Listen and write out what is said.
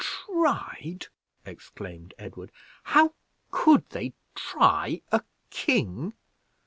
"Tried!" exclaimed Edward. "How could they try a king?